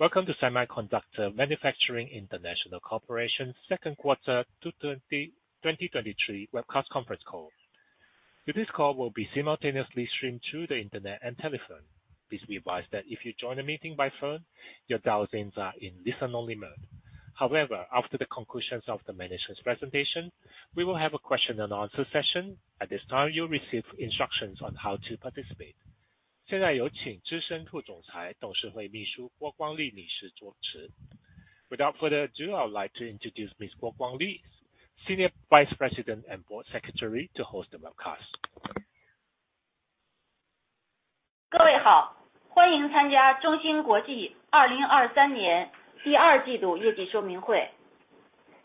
Welcome to Semiconductor Manufacturing International Corporation second quarter 2023 webcast conference call. Today's call will be simultaneously streamed through the internet and telephone. Please be advised that if you join the meeting by phone, your dial-ins are in listen-only mode. However, after the conclusion of the management's presentation, we will have a question and answer session. At this time, you'll receive instructions on how to participate. 葡萄牙语. Without further ado, I would like to introduce Miss Guo Guangli, Senior Vice President and Board Secretary, to host the webcast. 各位 好， 欢迎参加中芯国际2023年第二季度业绩说明会。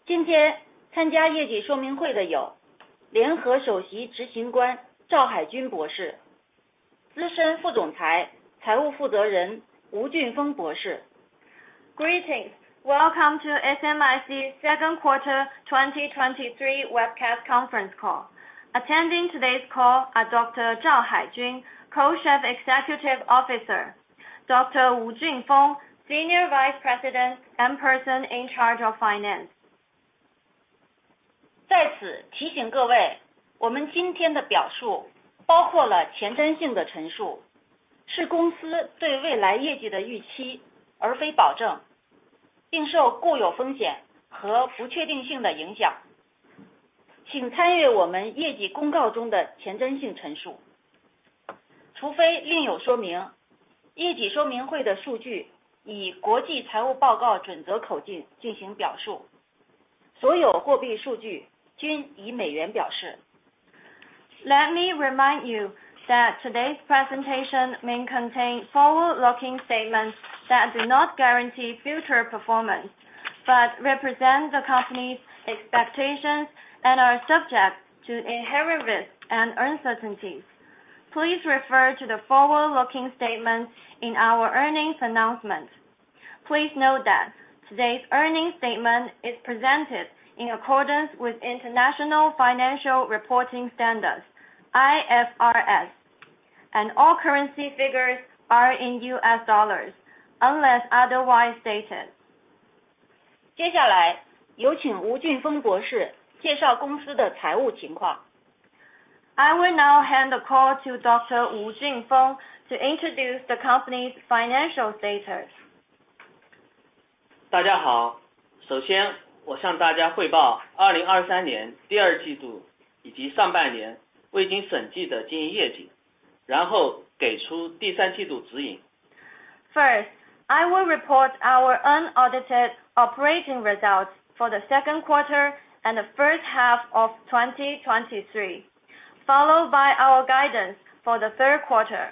今天参加业绩说明会的有联合首席执行官赵海军博士，资深副总裁、财务负责人吴俊峰博士。Greetings, welcome to SMIC second quarter 2023 webcast conference call. Attending today's call are Dr. Zhao Haijun, Co-Chief Executive Officer, Dr. Wu Junfeng, Senior Vice President, and Person in Charge of Finance. 在此提醒各位，我们今天的表述包括了前瞻性的陈述，是公司对未来业绩的预期，而非保证，并受固有风险和不确定性的影响。请参阅我们业绩公告中的前瞻性陈述。除非另有说明，业绩说明会的数据以国际财务报告准则口径进行表述，所有货币数据均以美元表示。Let me remind you that today's presentation may contain forward-looking statements that do not guarantee future performance, but represent the company's expectations and are subject to inherent risks and uncertainties. Please refer to the forward-looking statements in our earnings announcement. Please note that today's earnings statement is presented in accordance with International Financial Reporting Standards, IFRS, and all currency figures are in U.S. dollars, unless otherwise stated. 接下来有请吴俊峰博士介绍公司的财务情况。I will now hand the call to Dr. Wu Junfeng to introduce the company's financial status. 大家 好， 首先我向大家汇报2023年第二季度以及上半年未经审计的经营业 绩， 然后给出第三季度指引。First, I will report our unaudited operating results for the second quarter and the first half of 2023, followed by our guidance for the third quarter.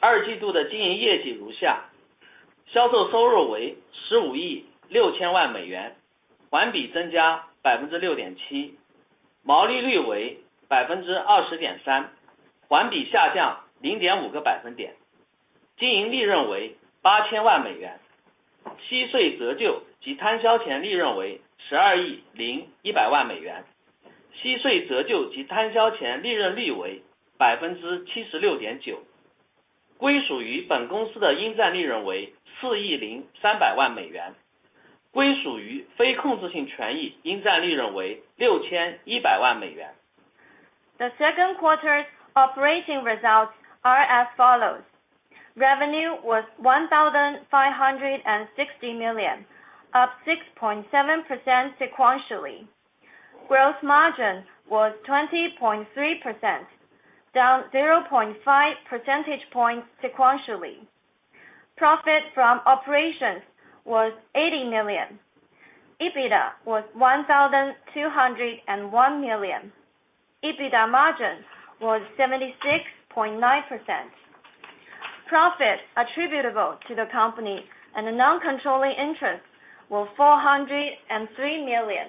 二季度的经营业绩如 下: 销售收入为 $1.56 billion, 环比增加 6.7%, 毛利率为 20.3%, 环比下降 0.5 个百分 点, 经营利润为 $80 million, 息税折旧及摊销前利润为 $1.201 billion, 息税折旧及摊销前利润率为 76.9%. 归属于本公司的应占利润为 $403 million, 归属于非控制性权 益, 应占利润为 $61 million. The second quarter's operating results are as follows: revenue was $1,560 million, up 6.7% sequentially. Gross margin was 20.3%, down 0.5 percentage points sequentially. Profit from operations was $80 million. EBITDA was $1,201 million. EBITDA margin was 76.9%. Profit attributable to the company and the non-controlling interest were $403 million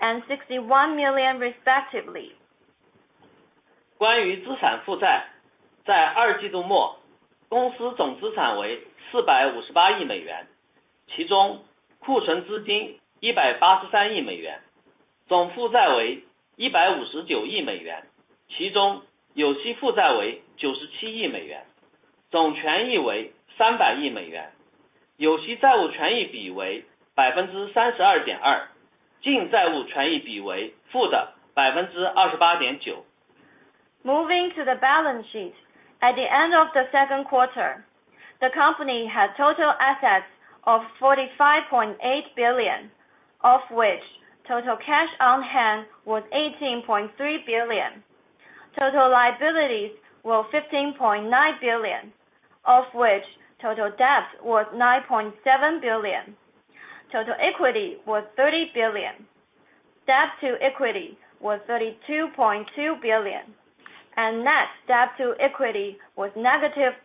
and $61 million, respectively. 关于资产负 债， 在二季度 末， 公司总资产为四百五十八亿美 元， 其中库存资金一百八十三亿美 元， 总负债为一百五十九亿美 元， 其中有息负债为九十七亿美 元， 总权益为三百亿美 元， 有息债务权益比为百分之三十二点 二， 净债务权益比为负的百分之二十八点九。Moving to the balance sheet. At the end of the second quarter, the company had total assets of $45.8 billion, of which total cash on hand was $18.3 billion. Total liabilities were $15.9 billion, of which total debt was $9.7 billion. Total equity was $30 billion, debt to equity was $32.2 billion, and net debt to equity was -28.9%.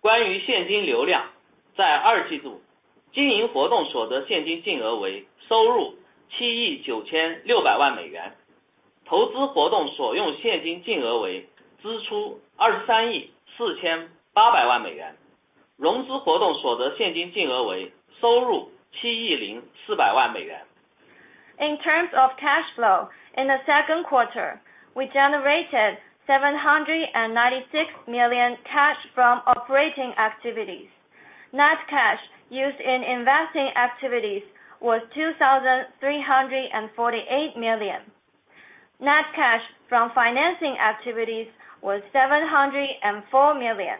关于现金流 量， 在二季度经营活动所得现金净额为收入七亿九千六百万美 元， 投资活动所用现金净额为支出二十三亿四千八百万美 元， 融资活动所得现金净额为收入七亿零四百万美元。...In terms of cash flow, in the second quarter, we generated $796 million cash from operating activities. Net cash used in investing activities was $2,348 million. Net cash from financing activities was $704 million.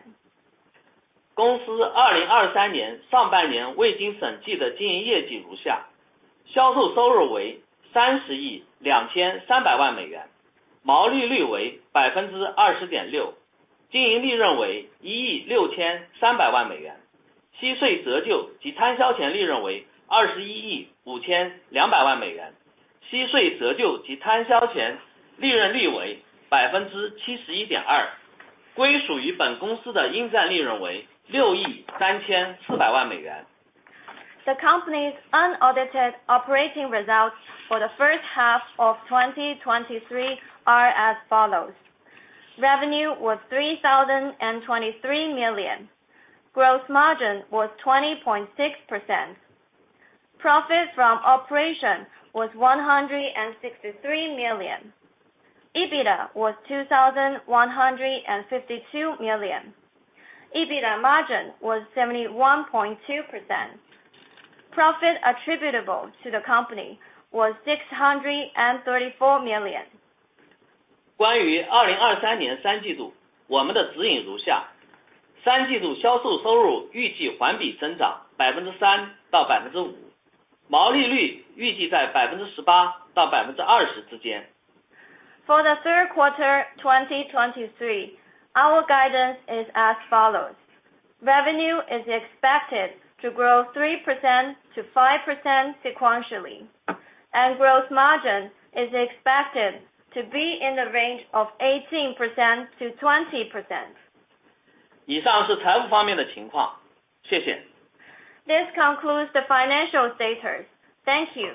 公司 2023年上半年未经审计的经营业绩 如下： 销售收入为 $3.023 billion， 毛利率为 20.6%， 经营利润为 $163 million， EBITDA 为 $2.152 billion， EBITDA 率为 71.2%。归属于本公司的应占利润为 $634 million. The company's unaudited operating results for the first half of 2023 are as follows: revenue was $3,023 million. Gross margin was 20.6%. Profit from operation was $163 million. EBITDA was $2,152 million. EBITDA margin was 71.2%. Profit attributable to the company was $634 million. 关于2023 Q3， 我们的指引如 下： Q3 销售收入预计环比增长 3%-5%， 毛利率预计在 18%-20% 之间。For the third quarter 2023, our guidance is as follows: revenue is expected to grow 3%-5% sequentially, and gross margin is expected to be in the range of 18%-20%. 以上是财务方面的情况。谢谢。This concludes the financial status. Thank you.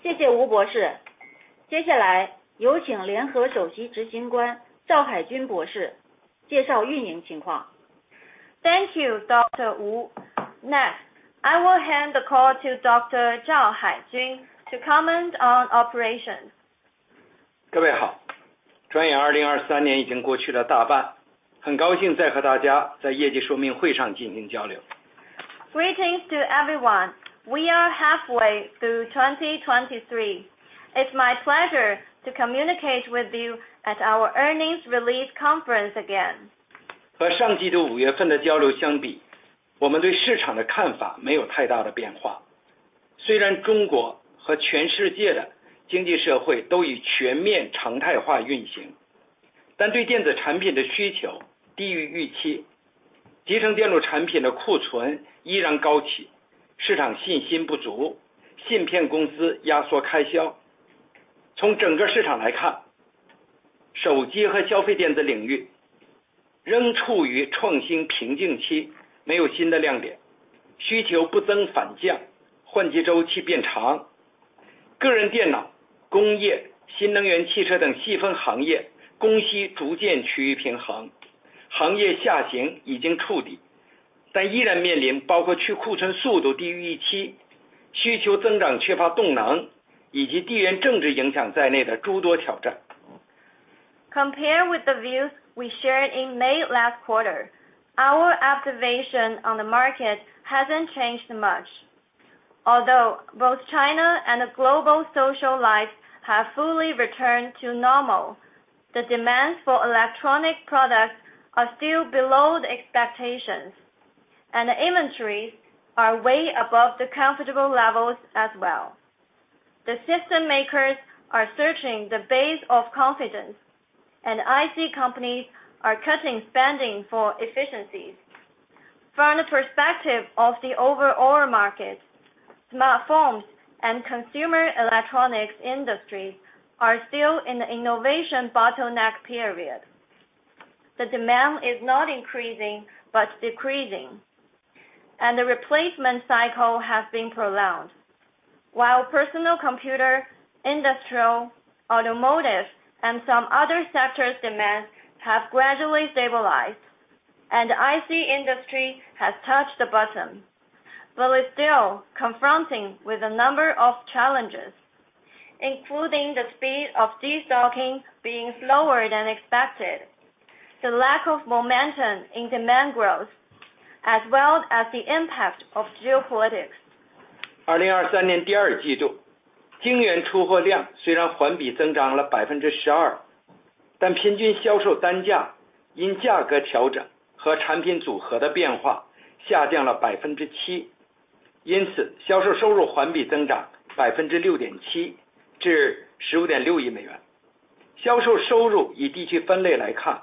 谢谢 吴俊峰博士，接 下来有请 Co-Chief Executive Officer Zhao Haijun博士介 绍运营情况。Thank you, Dr. Wu. Next, I will hand the call to Dr. Zhao Haijun to comment on operations. 各位 好， 转眼2023年已经过去了大半，很高兴再和大家在业绩说明会上进行交流。Greetings to everyone. We are halfway through 2023. It's my pleasure to communicate with you at our earnings release conference again. 和上季度五月份的交流相 比， 我们对市场的看法没有太大的变化。虽然中国和全世界的经济社会都已全面常态化运 行， 但对电子产品的需求低于预 期， 集成电路产品的库存依然高 企， 市场信心不 足， 芯片公司压缩开销。从整个市场来 看， 手机和消费电子领域仍处于创新平静 期， 没有新的亮 点， 需求不增反 降， 换机周期变长。个人电脑、工业、新能源汽车等细分行 业， 供需逐渐趋于平衡，行业下行已经触 底， 但依然面临包括去库存速度低于预期、需求增长缺乏动能以及地缘政治影响在内的诸多挑战。Compare with the views we shared in May last quarter. Our observation on the 市场 hasn't changed much, although both China and the global social life have fully returned to normal. The demands for electronic products are still below the expectations, and the inventories are way above the comfortable levels as well. The system makers are searching the base of confidence, and IC companies are cutting spending for efficiencies. From the perspective of the overall market, smartphone and consumer electronics industry are still in the innovation bottleneck period. The demand is not increasing, but decreasing, and the replacement cycle has been prolonged. While personal computer, industrial, automotive and some other sectors demand have gradually stabilized and IC industry has touched the bottom, but is still confronting with a number of challenges, including the speed of destocking being slower than expected, the lack of momentum in demand growth, as well as the impact of geopolitics. 二零二三年第二季 度， 晶圆出货量虽然环比增长了百分之十 二， 但平均销售单价因价格调整和产品组合的变化下降了百分之 七， 因此销售收入环比增长百分之六点 七， 至十五点六亿美元。销售收入以地区分类来 看，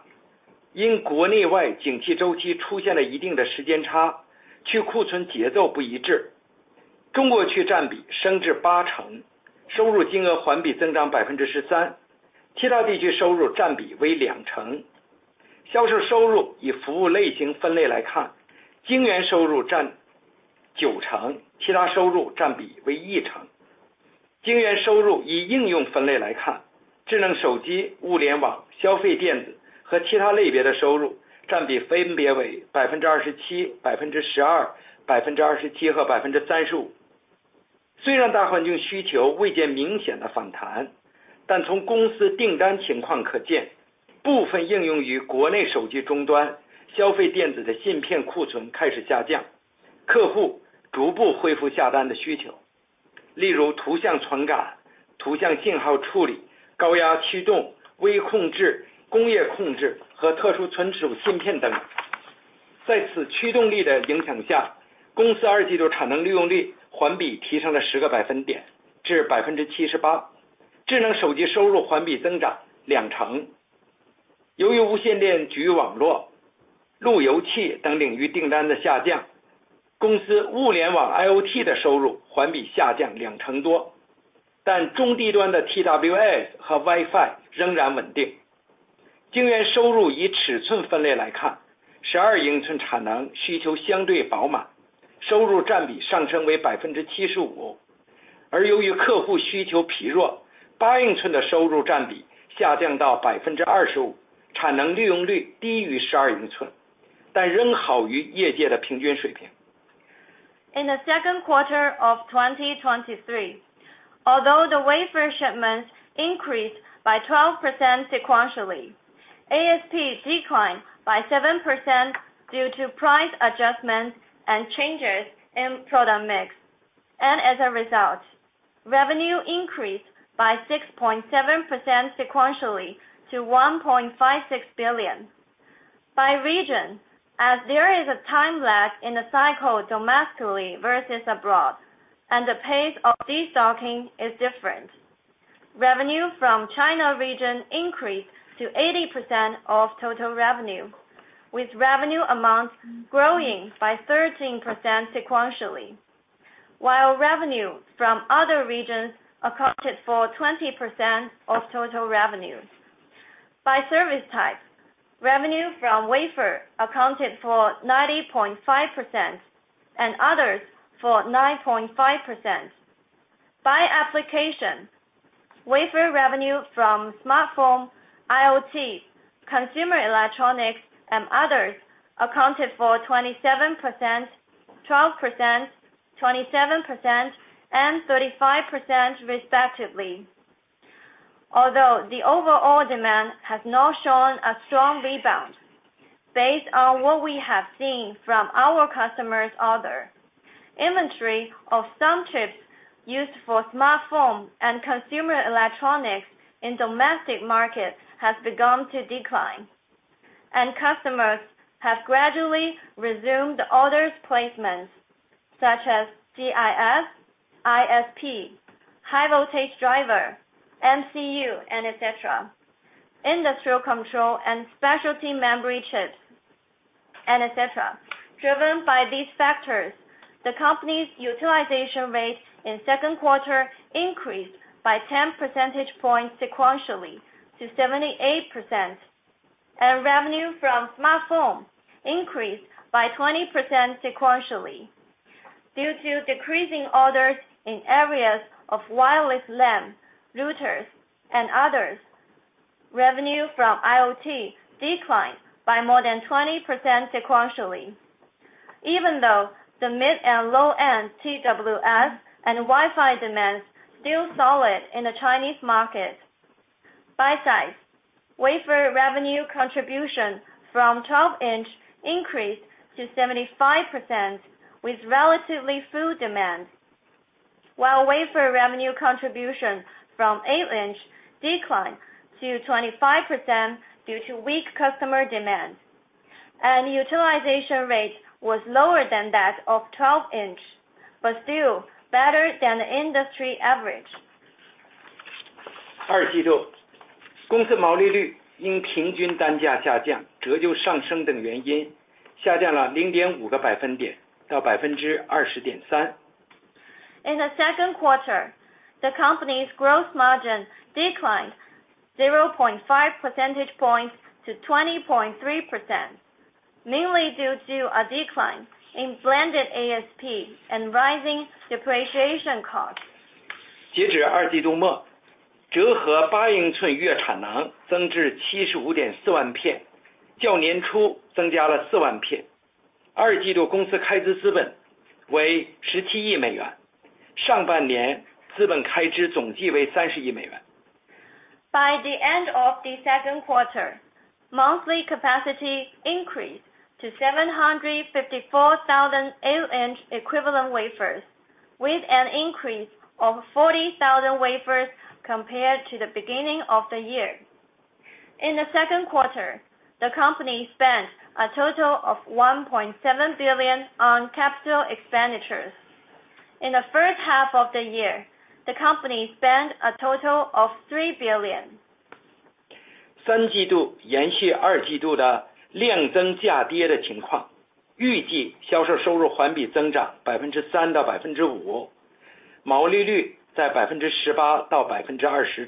因国内外景气周期出现了一定的时间 差， 去库存节奏不一 致， 中国区占比升至八 成， 收入金额环比增长百分之十 三， 其他地区收入占比为两成。销售收入以服务类型分类来 看， 晶圆收入占九 成， 其他收入占比为一成。晶圆收入以应用分类来 看。... 智能手机、物联网、消费电子和其他类别的收入占比分别为百分之二十七、百分之十二、百分之二十七和百分之三十五。虽然大环境需求未见明显的反 弹， 但从公司订单情况可 见， 部分应用于国内手机终端、消费电子的芯片库存开始下 降， 客户逐步恢复下单的需 求， 例如图像传感、图像信号处理、高压驱动、微控制、工业控制和特殊存储芯片等。在此驱动力的影响 下， 公司二季度产能利用率环比提升了十个百分 点， 至百分之七十 八， 智能手机收入环比增长两成。由于无线电局网络、路由器等领域订单的下 降， 公司物联网 IoT 的收入环比下降两成 多， 但中低端的 TWS 和 Wi‑Fi 仍然稳定。晶圆收入以尺寸分类来 看， 十二英寸产能需求相对饱 满， 收入占比上升为百分之七十 五， 而由于客户需求疲 弱， 八英寸的收入占比下降到百分之二十 五， 产能利用率低于十二英 寸， 但仍好于业界的平均水平。In the second quarter of 2023, although the wafer shipments increased by 12% sequentially, ASP declined by 7% due to price adjustments and changes in product mix. As a result, revenue increased by 6.7% sequentially to $1.56 billion. By region, as there is a time lag in the cycle domestically versus abroad, and the pace of destocking is different. Revenue from China region increased to 80% of total revenue, with revenue amounts growing by 13% sequentially. Revenue from other regions accounted for 20% of total revenues. By service type, revenue from wafer accounted for 90.5% and others for 9.5%. By application, wafer revenue from smartphone, IoT, consumer electronics, and others accounted for 27%, 12%, 27% and 35% respectively. Although the overall demand has not shown a strong rebound, based on what we have seen from our customers, order, inventory of some chips used for smartphone and consumer electronics in domestic markets has begun to decline, and customers have gradually resumed orders placements such as CIS, ISP, high voltage driver, MCU, and etc. Industrial control and specialty memory chips, and etc. Driven by these factors, the company's utilization rate in second quarter increased by 10 percentage points sequentially to 78%, and revenue from smartphone increased by 20% sequentially. Due to decreasing orders in areas of wireless LAN, routers, and others, revenue from IoT declined by more than 20% sequentially. Even though the mid and low-end TWS and Wi-Fi demands still solid in the Chinese market. By size, wafer revenue contribution from 12-inch increased to 75%, with relatively full demand. While wafer revenue contribution from 8-inch declined to 25% due to weak customer demand, and utilization rate was lower than that of 12-inch, but still better than the industry average. 二季 度， 公司毛利率因平均单价下 降， 折旧上升等原 因， 下降了 0.5 个百分 点， 到 20.3%。In the second quarter, the company's gross margin declined 0.5 percentage points to 20.3%, mainly due to a decline in blended ASP and rising depreciation costs. 截止二季度 末， 折合八英寸月产能增至七十五点四万 片， 较年初增加了四万片。二季度公司开支资本为十七亿美 元， 上半年资本开支总计为三十亿美元。By the end of the second quarter, monthly capacity increased to 754,000 8-inch equivalent wafers, with an increase of 40,000 wafers compared to the beginning of the year. In the second quarter, the company spent a total of $1.7 billion on capital expenditures. In the first half of the year, the company spent a total of $3 billion. Q3 延续 Q2 的量增价跌的 情况，预计 销售收入环比增长 3%-5%，毛利率 在 18%-20%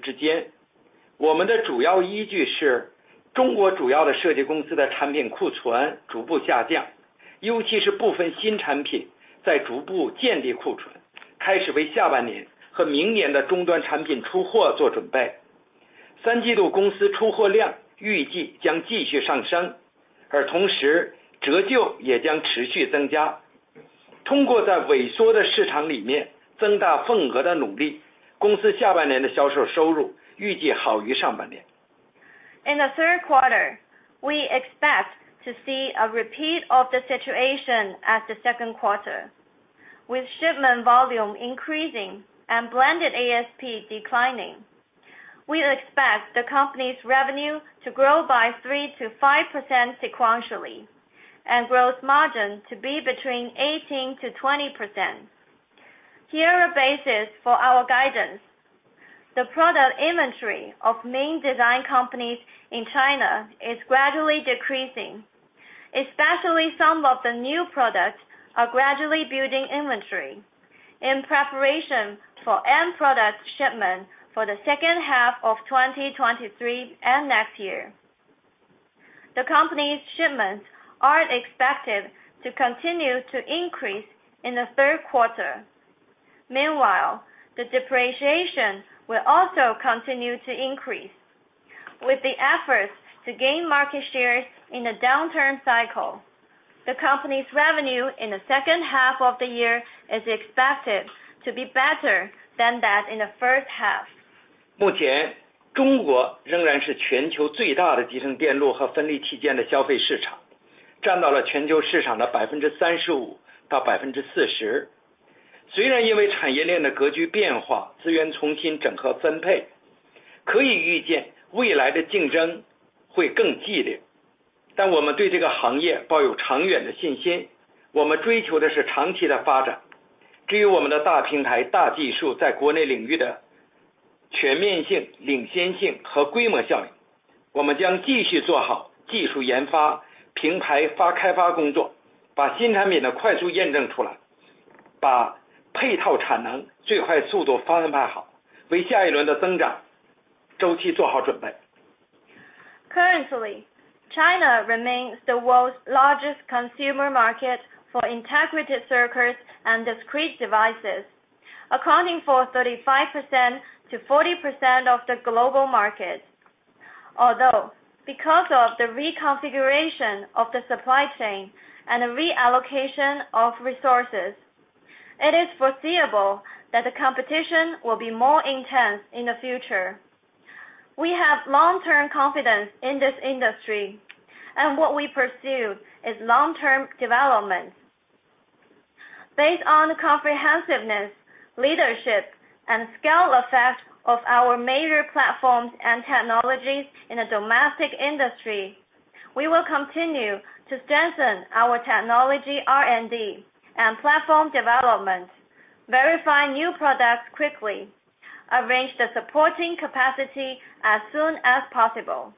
之间。我们的主要依据是 China 主要的设计公司的产品库存逐步 下降。... 尤其是部分新产品在逐步建立库 存， 开始为下半年和明年的终端产品出货做准备。三季度公司出货量预计将继续上 升， 而同时折旧也将持续增加。通过在萎缩的市场里面增大份额的努 力， 公司下半年的销售收入预计好于上半年。In the 3rd quarter, we expect to see a repeat of the situation at the 2nd quarter, with shipment volume increasing and blended ASP declining. We expect the company's revenue to grow by 3%-5% sequentially, and gross margin to be between 18%-20%. Here are basis for our guidance. The product inventory of main design companies in China is gradually decreasing, especially some of the new products are gradually building inventory in preparation for end product shipment for the 2nd half of 2023 and next year. The company's shipments are expected to continue to increase in the 3rd quarter. Meanwhile, the depreciation will also continue to increase with the efforts to gain market shares in the downturn cycle. The company's revenue in the 2nd half of the year is expected to be better than that in the 1st half. 目 前， 中国仍然是全球最大的集成电路和分立器件的消费市 场， 占到了全球市场的 35%-40%。因为产业链的格局变 化， 资源重新整合分 配， 可以预见未来的竞争会更激 烈， 但我们对这个行业抱有长远的信 心， 我们追求的是长期的发展。我们的大平台、大技 术， 在国内领域的全面性、领先性和规模效 应， 我们将继续做好技术研 发， 平台 发， 开发工 作， 把新产品的快速验证出 来， 把配套产能最快速度安排 好， 为下一轮的增长周期做好准备。Currently, China remains the world's largest consumer market for integrated circuits and discrete devices, accounting for 35%-40% of the global market. Because of the reconfiguration of the supply chain and the reallocation of resources, it is foreseeable that the competition will be more intense in the future. We have long-term confidence in this industry, and what we pursue is long-term development. Based on the comprehensiveness, leadership, and scale effect of our major platforms and technologies in the domestic industry, we will continue to strengthen our technology, R&D and platform development, verifying new products quickly, arrange the supporting capacity as soon as possible,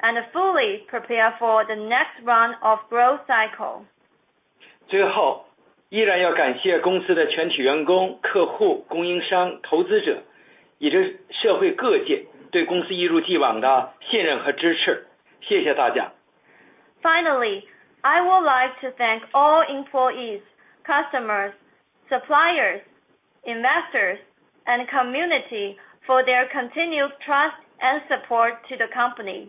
and fully prepare for the next round of growth cycle. 最 后， 依然要感谢公司的全体员工、客户、供应商、投资 者， 以及社会各界对公司一如既往的信任和支持。谢谢大 家！ Finally, I would like to thank all employees, customers, suppliers, investors, and community for their continued trust and support to the company.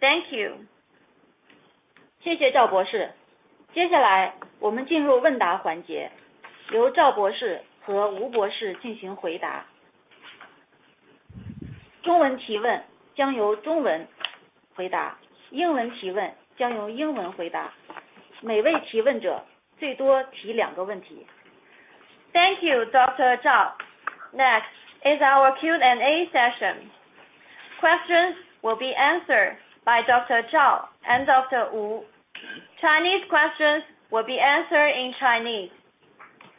Thank you. 谢谢赵博士。接下来我们进入问答环 节， 由赵博士和吴博士进行回答。中文提问将由中文回 答， 英文提问将由英文回答。每位提问者最多提两个问题。Thank you, Dr. Zhao. Next is our Q&A session. Questions will be answered by Dr. Zhao and Dr. Wu. Chinese questions will be answered in Chinese.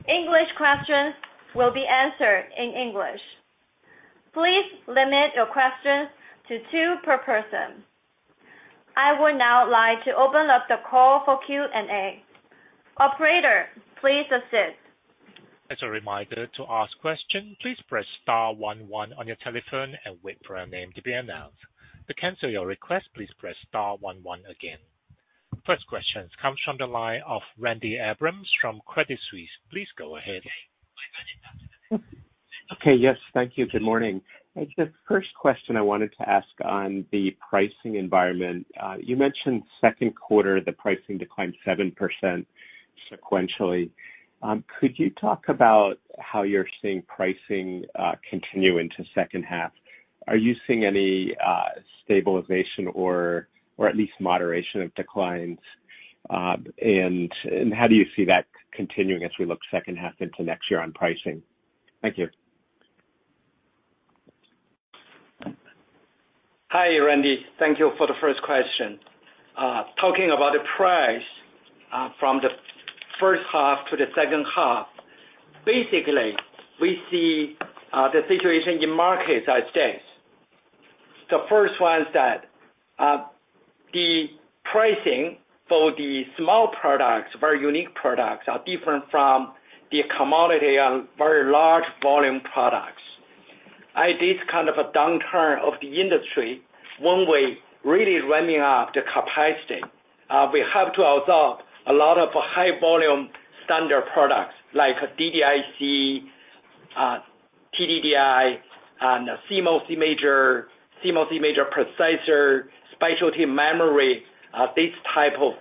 English questions will be answered in English. Please limit your questions to two per person. I would now like to open up the call for Q&A. Operator, please assist. As a reminder, to ask question, please press star one one on your telephone and wait for your name to be announced. To cancel your request, please press star one one again. First question comes from the line of Randy Abrams from Credit Suisse. Please go ahead. Okay, yes, thank you. Good morning. The first question I wanted to ask on the pricing environment. You mentioned second quarter, the pricing declined 7% sequentially. Could you talk about how you're seeing pricing continue into second half? Are you seeing any stabilization or, or at least moderation of declines? And how do you see that continuing as we look second half into next year on pricing? Thank you. Hi, Randy. Thank you for the first question. Talking about the price from the first half to the second half. Basically, we see the situation in markets as this: the first one is that the pricing for the small products, very unique products, are different from the commodity and very large volume products. At this kind of a downturn of the industry, when we're really ramming up the capacity, we have to absorb a lot of high volume standard products like DDIC, TDDI, and CMOS imager, CMOS imager processor, specialty memory, this type of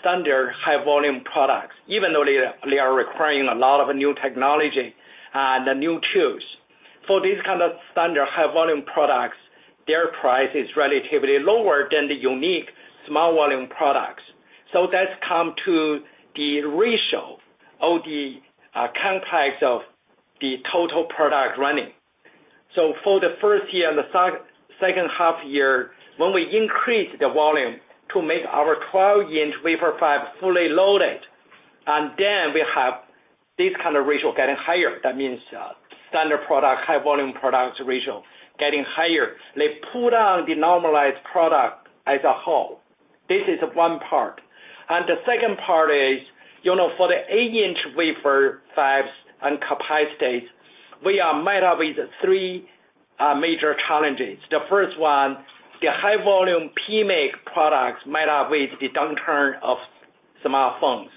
standard high volume products, even though they are, they are requiring a lot of new technology and the new tools. For these kind of standard high volume products, their price is relatively lower than the unique small volume products. That's come to the ratio of the complex of the total product running. For the first year, the second half year, when we increased the volume to make our 12-inch wafer fab fully loaded, then we have this kind of ratio getting higher. That means standard product, high volume products ratio getting higher. They pull down the normalized product as a whole. This is 1 part. The second part is, you know, for the 8-inch wafer fabs and capacities, we are met up with 3 major challenges. The first one, the high volume PMIC products met up with the downturn of smartphones.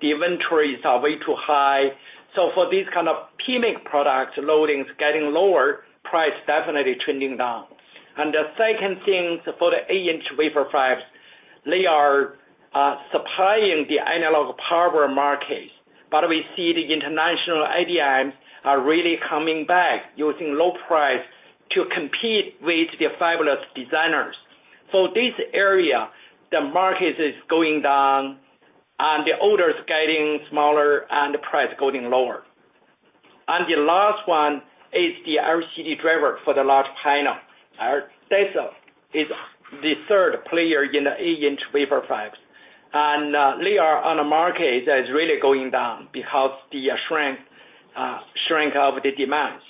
The inventories are way too high. For these kind of PMIC products, loadings getting lower, price definitely trending down. The second thing, for the 8-inch wafer fabs, they are supplying the analog power market. We see the international IDMs are really coming back, using low price to compete with the fabulous designers. This area, the market is going down, and the orders getting smaller and the price going lower. The last one is the LCD driver for the large panel. Our Tesla is the third player in the 8-inch wafer fabs. They are on a market that is really going down because the shrink, shrink of the demands.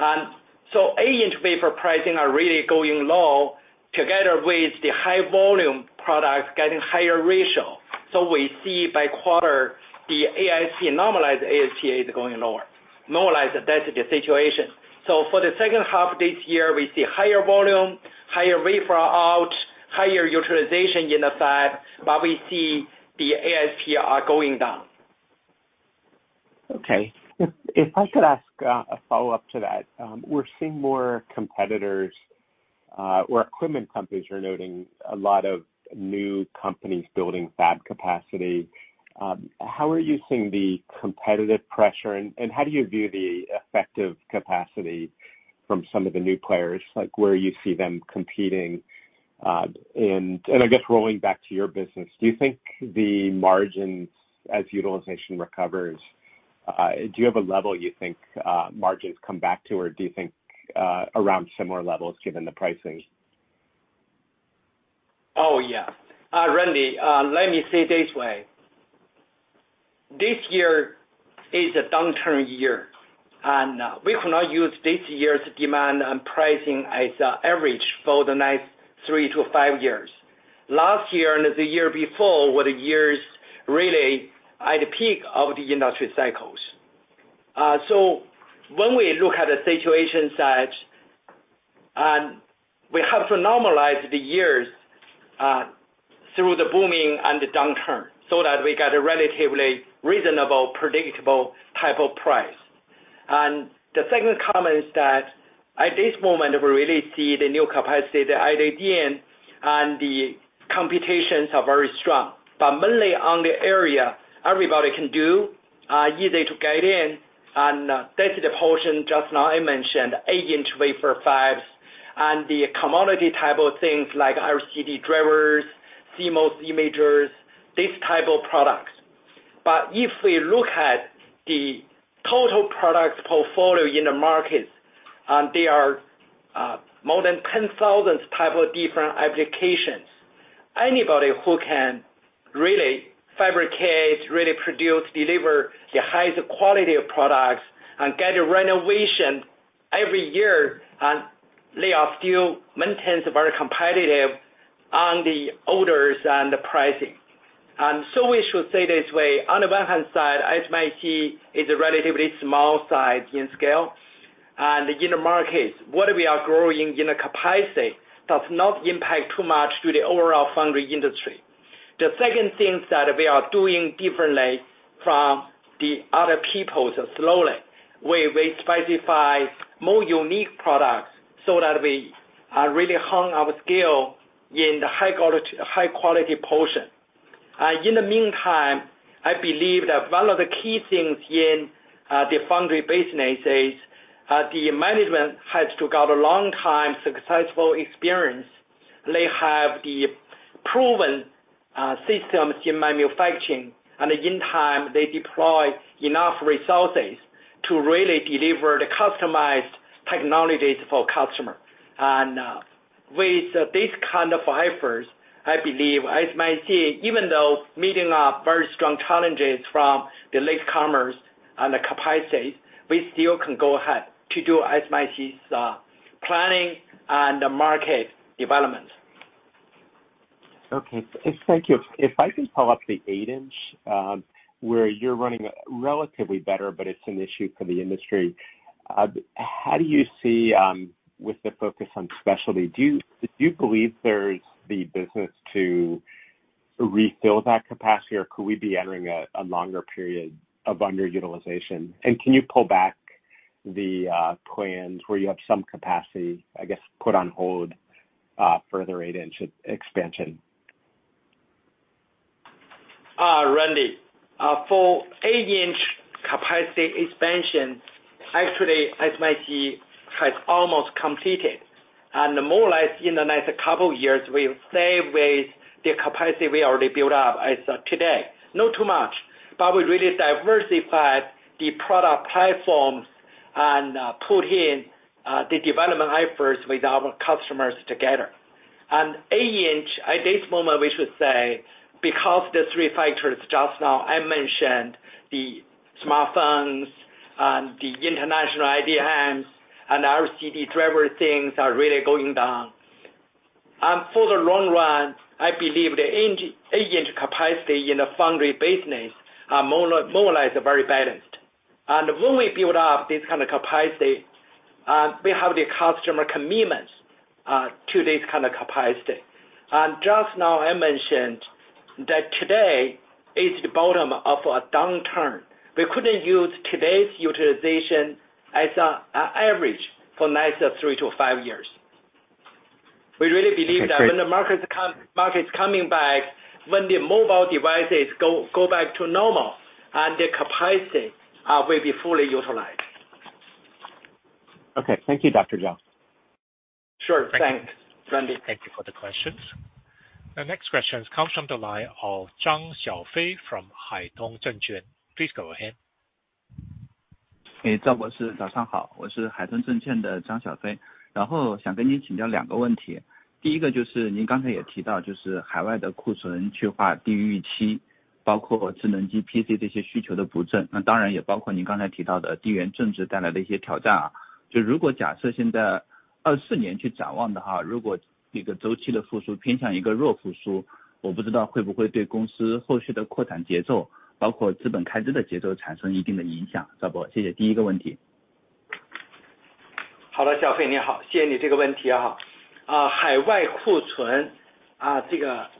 8-inch wafer pricing are really going low, together with the high volume products getting higher ratio. We see by quarter, the AIC normalized ASP is going lower. Normalized, that's the situation. For the second half this year, we see higher volume, higher wafer out, higher utilization in the fab, but we see the ASP are going down. Okay. If, if I could ask a follow-up to that. We're seeing more competitors, or equipment companies are noting a lot of new companies building fab capacity. How are you seeing the competitive pressure, and, and how do you view the effective capacity from some of the new players, like where you see them competing? And, and I guess rolling back to your business, do you think the margins as utilization recovers, do you have a level you think margins come back to, or do you think around similar levels given the pricing? Oh, yeah. Randy, let me say this way. This year is a downturn year, and we cannot use this year's demand and pricing as average for the next 3-5 years. Last year and the year before were the years really at the peak of the industry cycles. When we look at the situation that, and we have to normalize the years, through the booming and the downturn, so that we get a relatively reasonable, predictable type of price. The second comment is that at this moment, we really see the new capacity, the IDN and the computations are very strong. Mainly on the area, everybody can do, easy to get in, and that's the portion just now I mentioned, 8-inch wafer fabs and the commodity type of things like LCD drivers, CMOS imagers, these type of products. If we look at the total product portfolio in the market, they are more than 10,000 type of different applications, anybody who can really fabricate, really produce, deliver the highest quality of products and get a renovation every year, they are still maintains very competitive on the orders and the pricing. So we should say this way, on the one hand side, SMIC is a relatively small size in scale. In the markets, what we are growing in a capacity does not impact too much to the overall foundry industry. The second thing that we are doing differently from the other peoples, slowly, we, we specify more unique products so that we, really hung our skill in the high quality portion. In the meantime, I believe that one of the key things in the foundry business is the management has to gather long time successful experience. They have the proven systems in manufacturing, and in time, they deploy enough resources to really deliver the customized technologies for customer. With this kind of efforts, I believe SMIC, even though meeting up very strong challenges from the latecomers and the capacities, we still can go ahead to do SMIC's planning and market development. OK， 谢谢。If, If I can pull up the 8-inch, where you're running relatively better, but it's an issue for the industry. How do you see, with the focus on specialty, do you, do you believe there's the business to refill that capacity? Or could we be entering a, a longer period of under utilization? Can you pull back the plans where you have some capacity, I guess, put on hold, for the 8-inch expansion? Randy, for 8 inch capacity expansion, actually, SMIC has almost completed, more or less in the next couple of years, we stay with the capacity we already built up as of today, not too much, but we really diversified the product platforms and put in the development efforts with our customers together. 8 inch at this moment, we should say, because the 3 factors just now I mentioned, the smartphones and the international IDMs and LCD driver, things are really going down. For the long run, I believe the 8, 8 inch capacity in the foundry business are more, more or less very balanced. When we build up this kind of capacity, we have the customer commitments to this kind of capacity. Just now I mentioned that today is the bottom of a downturn. We couldn't use today's utilization as a, a average for next 3-5 years. We really believe. Thank you. that when the market come, market is coming back, when the mobile devices go, go back to normal and the capacity will be fully utilized. OK, Thank you, Dr. Zhao. Sure. Thanks, Randy. Thank you for the questions. The next question comes from the line of 张小飞 from 海通证券. Please go ahead. 张博 士， 早上 好， 我是海通证券的张小 飞， 然后想跟您请教两个问 题， 第一个就是您刚才也提到就是海外的库存去化低于预 期， 包括智能机 ，PC 这些需求的不 振， 那当然也包括您刚才提到的地缘政治带来的一些挑战啊。就如果假设现在二四年去展望的 话， 如果这个周期的复苏偏向一个弱复 苏， 我不知道会不会对公司后续的扩展节 奏， 包括资本开支的节奏产生一定的影响。赵 博， 谢 谢， 第一个问题。好 的， 小 飞， 你 好， 谢谢你这个问题啊。啊， 海外库 存， 啊， 这 个， 啊，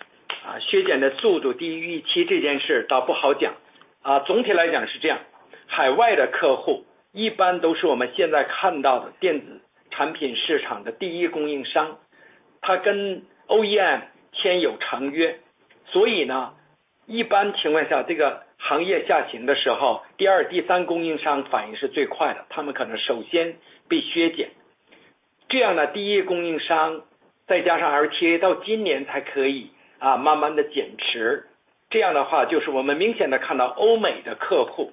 削减的速度低于预期这件事倒不好讲。啊， 总体来讲是这 样， 海外的客户一般都是我们现在看到的电子产品市场的第一供应 商， 他跟 OEM 签有长 约， 所以 呢， 一般情况 下， 这个行业下行的时 候， 第二、第三供应商反应是最快 的， 他们可能首先被削减。这样 呢， 第一供应商再加上 LTA 到今年才可以， 啊， 慢慢地减 持， 这样的话就是我们明显地看到欧美的客 户，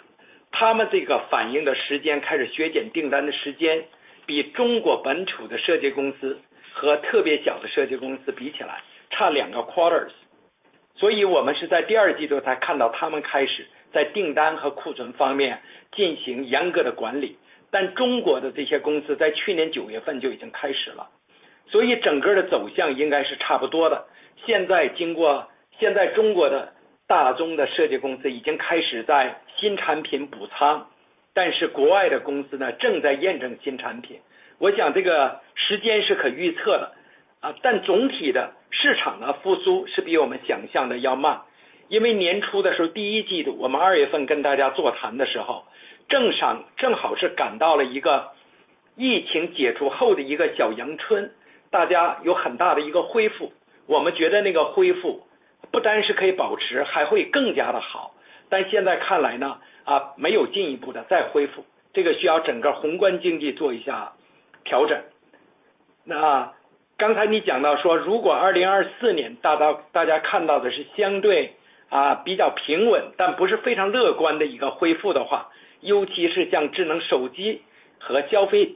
他们这个反应的时 间， 开始削减订单的时 间， 比中国本土的设计公司和特别小的设计公司比起来差两个 quarters。所以我们是在第二季度才看到他们开始在订单和库存方面进行严格的管 理， 但中国的这些公司在去年九月份就已经开始 了， 所以整个的走向应该是差不多的。现在经 过， 现在中国的大中的设计公司已经开始在新产品补 仓， 但是国外的公司 呢， 正在验证新产品。我想这个时间是可预测 的， 啊， 但总体的市场 呢， 复苏是比我们想象的要慢。因为年初的时 候， 第一季 度， 我们二月份跟大家座谈的时 候， 正是正好是赶到了一个疫情解除后的一个小阳 春， 大家有很大的一个恢复，我们觉得那个恢复不单是可以保 持， 还会更加的好。但现在看来 呢， 啊， 没有进一步的再恢 复， 这个需要整个宏观经济做一下调整。那刚才你讲到 说， 如果2024年大 家， 大家看到的是相 对， 啊， 比较平 稳， 但不是非常乐观的一个恢复的 话， 尤其是像智能手机和消费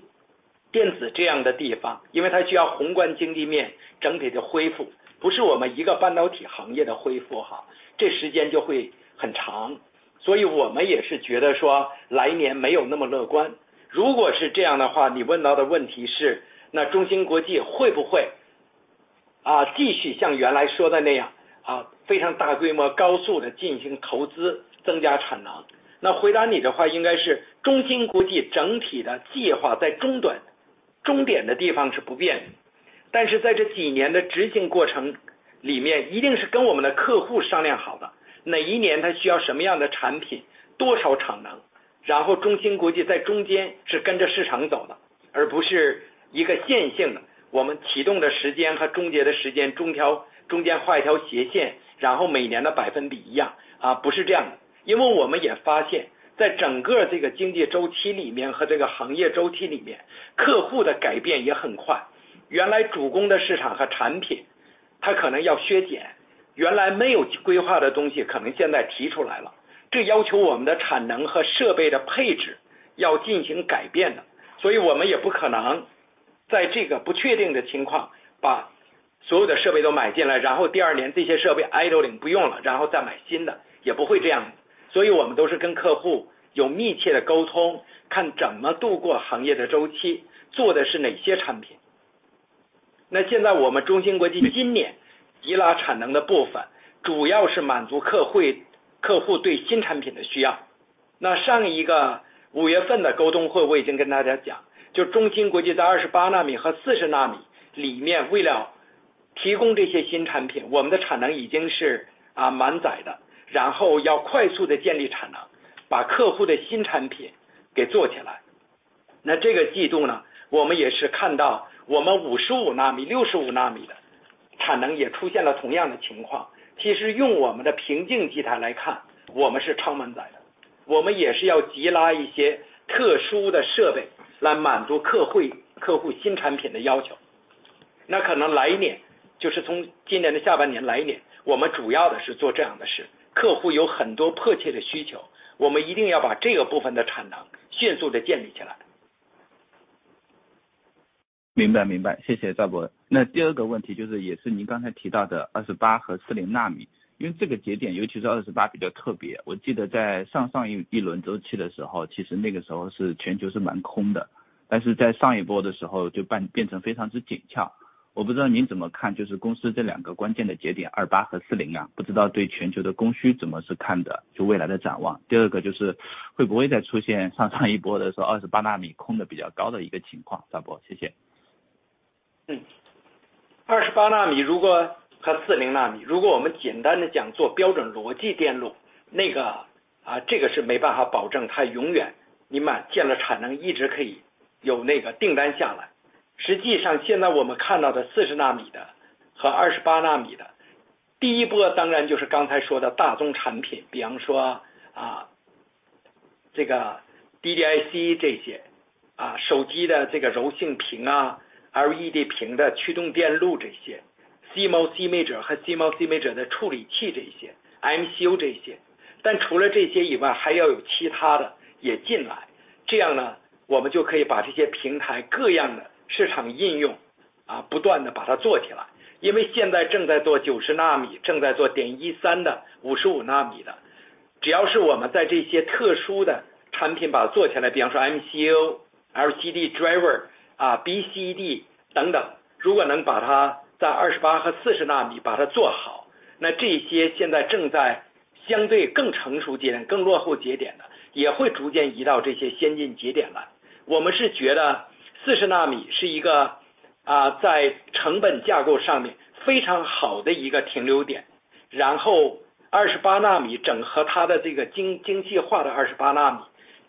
电子这样的地 方， 因为它需要宏观经济面整体的恢复，不是我们一个半导体行业的恢复 哈， 这时间就会很长。所以我们也是觉得说来年没有那么乐观。如果是这样的 话， 你问到的问题 是， 那中芯国际会不 会， 啊， 继续像原来说的那 样， 啊， 非常大规模高速地进行投 资， 增加产 能？ 那回答你的话应该是中芯国际整体的计划在终 端， 终点的地方是不变的，但是在这几年的执行过程里 面， 一定是跟我们的客户商量好 的， 哪一年他需要什么样的产 品， 多少产 能， 然后中芯国际在中间是跟着市场走 的， 而不是一个线性 的， 我们启动的时间和终结的时 间， 中 条， 中间画一条斜 线， 然后每年的百分比一 样， 啊， 不是这样的。因为我们也发 现， 在整个这个经济周期里面和这个行业周期里 面， 客户的改变也很快，原来主攻的市场和产品他可能要削 减， 原来没有规划的东西可能现在提出来 了， 这要求我们的产能和设备的配置要进行改变 的， 所以我们也不可能在这个不确定的情况把所有的设备都买进 来， 然后第二年这些设备 idling 不用 了， 然后再买新 的， 也不会这样 子。... 所以我们都是跟客户有密切的沟 通， 看怎么度过行业的周 期， 做的是哪些产品。那现在我们中芯国际今年急拉产能的部 分， 主要是满足客 会， 客户对新产品的需要。那上一个五月份的沟通 会， 我已经跟大家 讲， 就中芯国际在二十八纳米和四十纳米里 面， 为了提供这些新产 品， 我们的产能已经是 啊， 满载 的， 然后要快速地建立产 能， 把客户的新产品给做起来。那这个季度 呢， 我们也是看到我们五十五纳米、六十五纳米的产能也出现了同样的情况。其实用我们的平静基台来 看， 我们是超满载 的， 我们也是要急拉一些特殊的设备来满足客 会， 客户新产品的要求。那可能来一 年， 就是从今年的下半年来一 年， 我们主要的是做这样的 事， 客户有很多迫切的需 求， 我们一定要把这个部分的产能迅速地建立起来。明 白， 明 白， 谢谢赵博。那第二个问题就是也是您刚才提到的二十八和四零纳 米， 因为这个节 点， 尤其是二十八比较特 别， 我记得在上上一轮周期的时 候， 其实那个时候是全球是蛮空 的， 但是在上一波的时候就 办， 变成非常之紧俏。我不知道您怎么 看， 就是公司这两个关键的节 点， 二八和四零 啊， 不知道对全球的供需怎么是看 的， 就未来的展望。第二个就是会不会再出现上上一波的时 候， 二十八纳米空的比较高的一个情况。赵 博， 谢谢。嗯， 二十八纳米如果和四零纳 米， 如果我们简单地讲做标准逻辑电 路， 那个 啊， 这个是没办法保证它永远你建了产 能， 一直可以有那个订单下来。实际上现在我们看到的四十纳米的和二十八纳米 的， 第一波当然就是刚才说的大宗产 品， 比方说 啊， 这个 DDIC 这 些， 啊， 手机的这个柔性屏啊， LED 屏的驱动电路这些 ，CMOS 图像和 CMOS 图像的处理器这一些 ，MCU 这一 些， 但除了这些以 外， 还要有其他的也进 来， 这样 呢， 我们就可以把这些平台各样的市场应用 啊， 不断地把它做起来。因为现在正在做九十纳 米， 正在做点一三 的， 五十五纳米 的， 只要是我们在这些特殊的产品把它做起 来， 比方说 MCU、LCD driver， 啊， BCD 等 等， 如果能把它在二十八和四十纳米把它做 好， 那这些现在正在相对更成熟节 点， 更落后节点 的， 也会逐渐移到这些先进节点来。我们是觉得四十纳米是一个 啊， 在成本架构上面非常好的一个停留 点， 然后二十八纳米整合它的这个 经， 经济化的二十八纳 米，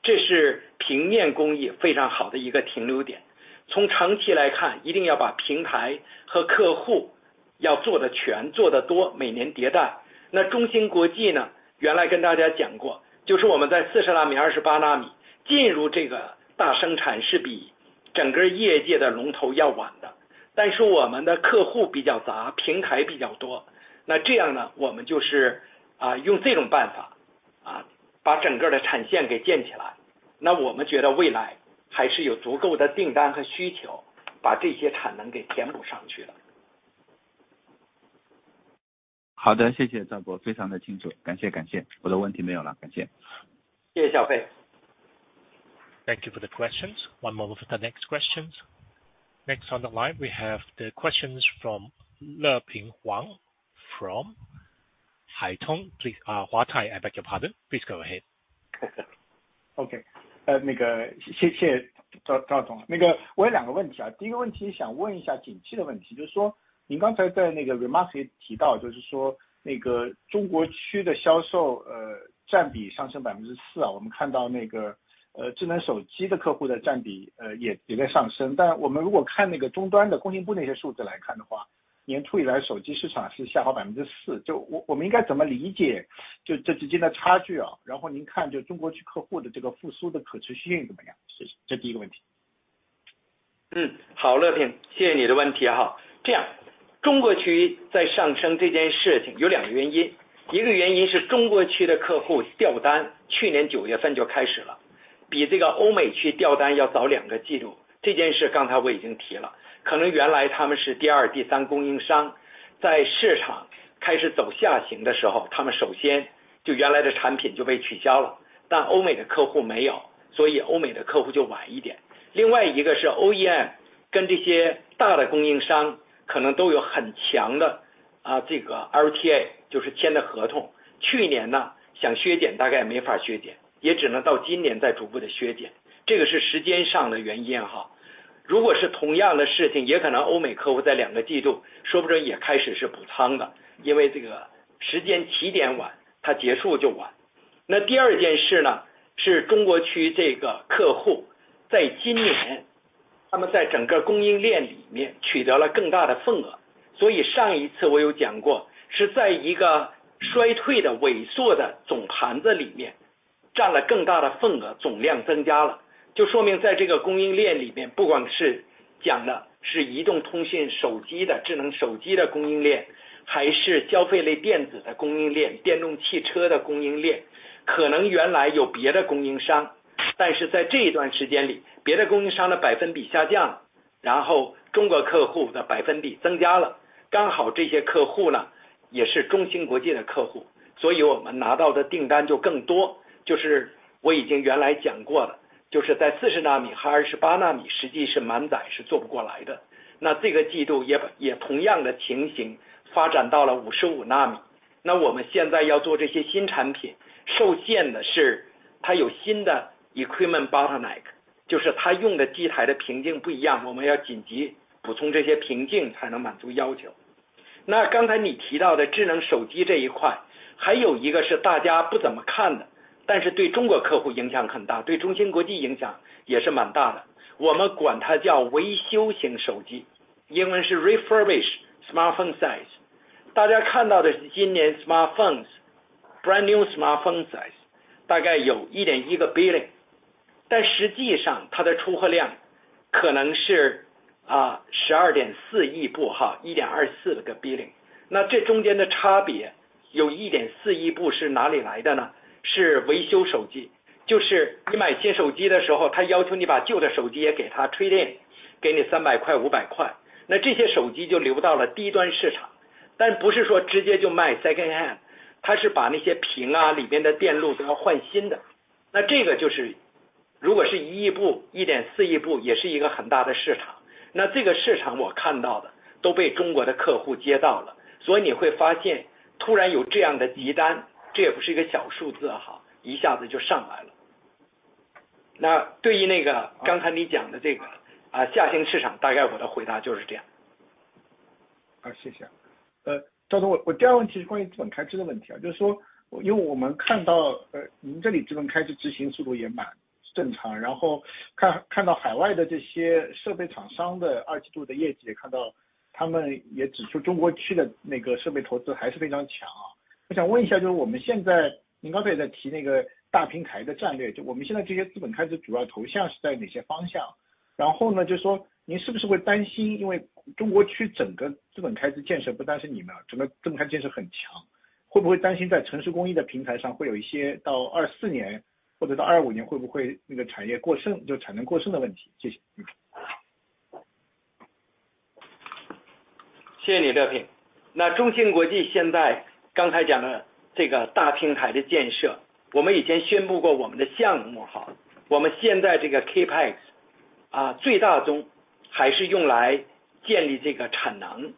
这是平面工艺非常好的一个停留点。从长期来 看， 一定要把平台和客户要做得 全， 做得 多， 每年迭代。那中芯国际 呢， 原来跟大家讲 过， 就是我们在四十纳米、二十八纳米进入这个大生 产， 是比整个业界的龙头要晚 的， 但是我们的客户比较 杂， 平台比较 多， 那这样 呢， 我们就是 啊， 用这种办法 啊， 把整个的产线给建起 来， 那我们觉得未来还是有足够的订单和需求把这些产能给填补上去了。好 的， 谢谢赵 博， 非常的清 楚， 感 谢， 感谢。我的问题没有 了， 感谢。谢谢 小飞. Thank you for the questions. One moment for the next questions. Next on the line we have the questions from 乐平黄, from 海通, please, 华泰, I beg your pardon. Please go ahead. OK, 谢谢, 谢谢 赵, 赵总. 我有2个问 题, 第一个问题想问一下景气的问 题, 就是说您刚才在 remark 提 到, 就是说 China region 的销售占比上升 4%, 我们看到 smartphone 的客户的占比也在上 升, 但我们如果看那个终端的供应部那些数据来看的 话, 年初以来手机市场是下滑 4%, 就 我, 我们应该怎么理解 这, 这之间的差距 啊? 您看就 China region 客户的这个复苏的可持续性怎么 样? 这是这第一个问 题. 嗯， 好， 乐 平， 谢谢你的问题啊。这 样， 中国区在上升这件事情有两个原 因， 一个原因是中国区的客户调 单， 去年九月份就开始 了， 比这个欧美区调单要早两个季度。这件事刚才我已经提 了， 可能原来他们是第二、第三供应 商， 在市场开始走下行的时 候， 他们首先就原来的产品就被取消 了， 但欧美的客户没 有， 所以欧美的客户就晚一点。另外一个是 OEM 跟这些大的供应商可能都有很强的 啊， 这个 LTA， 就是签的合 同， 去年 呢， 想削减大概没法削减 ，也 只能到今年再逐步地削 减， 这个是时间上的原因哈。如果是同样的事 情， 也可能欧美客户在两个季度说不准也开始是补仓 的， 因为这个时间起点 晚， 它结束就晚。那第二件事 呢， 是中国区这个客户在今 年， 他们在整个供应链里面取得了更大的份额。所以上一次我有讲 过， 是在一个衰退的萎缩的总盘子里面占了更大的份 额， 总量增加了，就说明在这个供应链里 面， 不光是讲的是移动通信手机的智能手机的供应 链， 还是消费类电子的供应 链， 电动汽车的供应 链， 可能原来有别的供应 商。... 但是在这一段时间 里， 别的供应商的百分比下降 了， 然后中国客户的百分比增加 了， 刚好这些客户 呢， 也是中芯国际的客 户， 所以我们拿到的订单就更多。就是我已经原来讲过了，就是在四十纳米和二十八纳 米， 实际是满载是做不过来 的， 那这个季度 也， 也同样的情形发展到了五十五纳米。那我们现在要做这些新产 品， 受限的是它有新的 equipment bottleneck， 就是它用的机台的瓶颈不一 样， 我们要紧急补充这些瓶颈才能满足要求。那刚才你提到的智能手机这一 块， 还有一个是大家不怎么看的，但是对中国客户影响很 大， 对中芯国际影响也是蛮大 的， 我们管它叫维修型手 机， 英文是 refurbished smartphone size。大家看到的 是， 今年 smartphones, brand new smartphones size， 大概有一点一个 billion， 但实际上它的出货量可能 是， 啊， 十二点四亿部 哈， 一点二四个 billion， 那这中间的差 别， 有一点四亿部是哪里来的呢？是维修手 机， 就是你买新手机的时 候， 他要求你把旧的手机也给他 trade in， 给你三百块、五百 块， 那这些手机就留到了低端市 场， 但不是说直接就卖 secondhand， 他是把那些屏 啊， 里边的电路都要换新 的， 那这个就是如果是一亿 部， 一点四亿 部， 也是一个很大的市 场， 那这个市场我看到的都被中国的客户接到 了， 所以你会发现突然有这样的订 单， 这也不是一个小数字 啊， 一下子就上来了。那对于那个刚才你讲的这 个， 啊， 下行市 场， 大概我的回答就是这样。好， 谢谢。呃， 赵 总， 我第二问题是关于资本开支的问题 啊， 就是说因为我们看 到， 呃， 您这里资本开支执行速度也蛮正 常， 然后 看， 看到海外的这些设备厂商的二季度的业 绩， 也看到他们也指出中国区的那个设备投资还是非常强啊。我想问一 下， 就是我们现 在， 您刚才也在提那个大平台的战 略， 就我们现在这些资本开支主要投向是在哪些方 向？ 然后 呢， 就是说您是不是会担 心， 因为中国区整个资本开支建 设， 不单是你们 啊， 整个资本开支建设很 强， 会不会担心在成熟工艺的平台上会有一些到二四年或者到二五 年， 会不会这个产业过 剩， 就产能过剩的问 题？ 谢 谢， 嗯。Thank you, 乐平. 中芯国际现在刚才讲的这个大平台的建 设， 我们以前宣布过我们的项目。我们现在这个 CAPEX 最大宗还是用来建立这个产 能，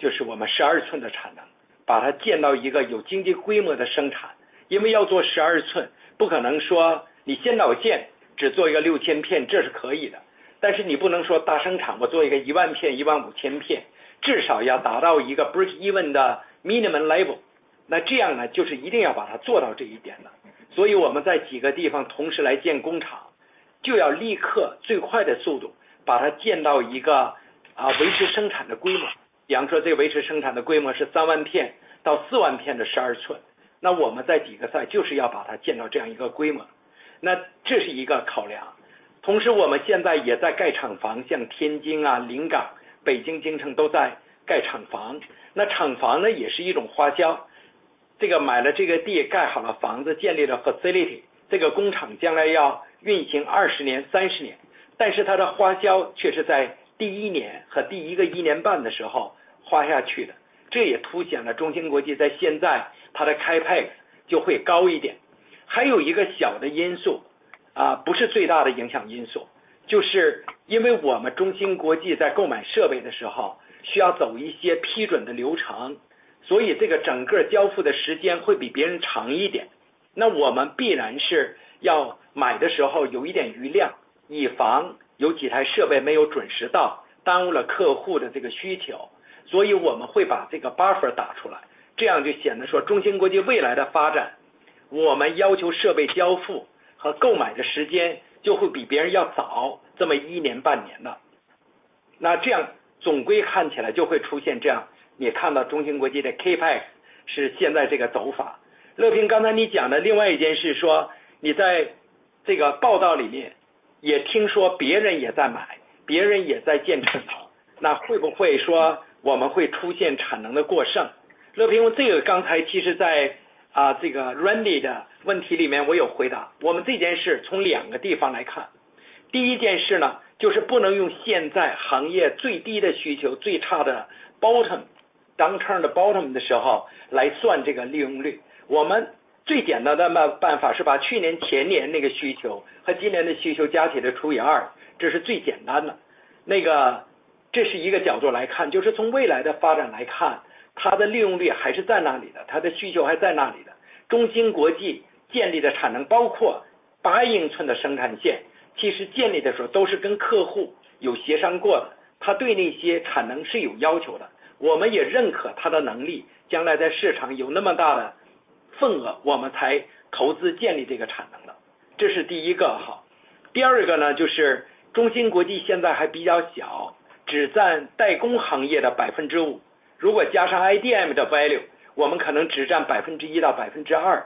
就是我们 12-inch 的产 能， 把它建到一个有经济规模的生产。因为要做 12-inch， 不可能说你先把我 建， 只做一个 6,000 pieces， 这是可以的。但是你不能说大生 产， 我做一个 10,000 pieces、15,000 pieces， 至少要达到一个 break even 的 minimum level。这样 呢， 就是一定要把它做到这一点的。我们在 several places 同时来建工 厂， 就要立刻最快的速度把它建到一个维持生产的规模。比方说这维持生产的规模是 30,000-40,000 pieces 的 12-inch。我们在 several sites 就是要把它建到这样一个规模。这是一个考量。同时我们现在也在盖厂 房， 像 Tianjin、Lingang、Beijing、Jingcheng 都在盖厂房。厂房 呢， 也是一种花销。这个买了这个 地， 盖好了房 子， 建立了 facility。这个工厂将来要运行20 years、30 years， 但是它的花销却是在 first year 和 first 1.5 years 的时候花下去的。这也凸显了中芯国际在现在它的 CAPEX 就会高一点。还有一个小的因 素， 不是最大的影响因 素， 就是因为我们中芯国际在购买设备的时 候， 需要走一些批准的流程。所以这个整个交付的时间会比别人长一点。我们必然是要买的时候有一点余 量， 以防有 several units 设备没有准时 到， 耽误了客户的这个需求。我们会把这个 buffer 打出来。这样就显得说中芯国际未来的发 展， 我们要求设备交付和购买的时间就会比别人要早这么 1-1.5 years 了。这样总归看起来就会出现这 样， 你看到中芯国际的 CAPEX 是现在这个走法。乐平， 刚才你讲的另外一件事 说， 你在这个报道里面也听说别人也在 买， 别人也在建厂。会不会说我们会出现产能的过 剩？ 乐平， 这个刚才其实在 Randy 的问题里 面， 我有回答。我们这件事从2 places 来看。first thing 呢， 就是不能用现在行业最低的需 求， 最差的 bottom， downturn 的 bottom 的时候来算这个利用率。我们最简单的办法是把 last year and the year before 那个需求和 this year 的需求加起来 divided by 2。这是最简单的。这是1 angle 来 看， 就是从未来的发展来 看， 它的利用率还是在那里 的， 它的需求还在那里的。中芯国际建立的产 能， 包括 8-inch 的生产 线， 其实建立的时候都是跟客户有协商过的。他对那些产能是有要求的。我们也认可他的能 力， 将来在市场有那么大的份 额， 我们才投资建立这个产能的。这是 first， 好。second 个 呢， 就是中芯国际现在还比较 小， 只占代工行业的 5%。如果加上 IDM 的 value， 我们可能只占 1%-2%。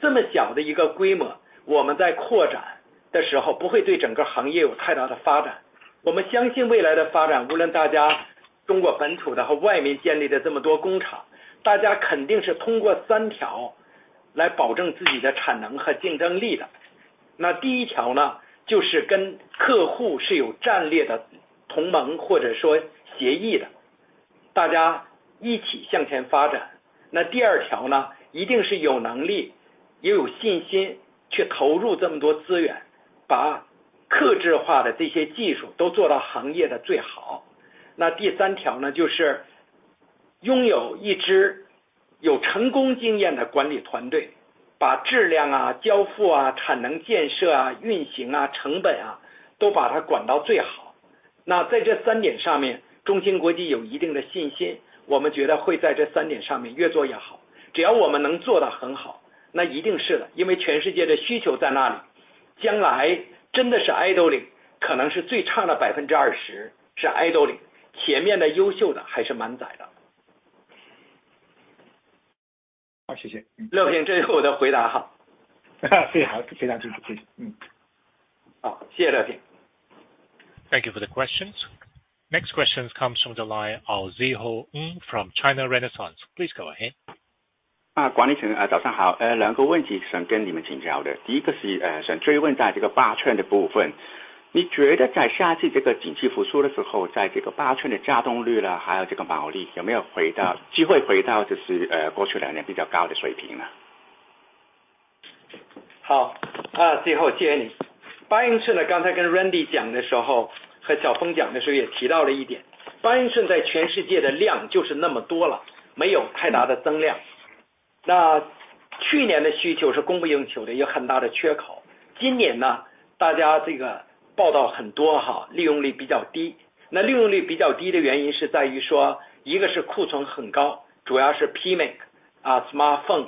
这么小的一个规 模， 我们在扩展的时候不会对整个行业有太大的发展。我们相信未来的发 展， 无论大家 China local 的和外面建立的这么多工 厂...... 大家肯定是通过三条来保证自己的产能和竞争力的。那第一条 呢， 就是跟客户是有战略的同 盟， 或者说协议 的， 大家一起向前发展。那第二条 呢， 一定是有能 力， 也有信心去投入这么多资 源， 把客制化的这些技术都做到行业的最好。那第三条 呢， 就是拥有一支有成功经验的管理团 队， 把质量 啊， 交付 啊， 产能建设 啊， 运行 啊， 成本啊都把它管到最好。那在这三点上 面， 中芯国际有一定的信 心， 我们觉得会在这三点上面越做越 好， 只要我们能做得很 好， 那一定是 的， 因为全世界的需求在那 里， 将来真的是 idle， 可能是最差的百分之二十是 idle， 前面的优秀的还是满载的。好, 谢谢. 乐 平， 这是我的回答哈。非 常， 非常谢 谢， 谢谢。好， 谢谢乐平。Thank you for the questions. Next question comes from the line of Zhou Zhihao from China Renaissance. Please go ahead. 啊， 管理 层， 早上 好， 呃， 两个问题想跟你们请教 的， 第一个 是， 呃， 想追问一下这个八寸的部 分， 你觉得在下季这个景气复苏的时 候， 在这个八寸的稼动率 啦， 还有这个毛利有没有回 到， 机会回 到， 就 是， 呃， 过去两年比较高的水平 吗？ 好， 啊， 志 浩， 谢谢你。八英寸 呢， 刚才跟 Randy 讲的时 候， 和小峰讲的时候也提到了一 点， 八英寸在全世界的量就是那么多 了， 没有太大的增量。那去年的需求是供不应求 的， 有很大的缺口。今年 呢， 大家这个报道很多 哈， 利用率比较 低， 那利用率比较低的原因是在于说一个是库存很 高， 主要是 PMIC， 啊 ，smartphone，